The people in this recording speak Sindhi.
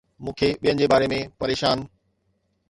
مون کي ٻين جي باري ۾ پريشان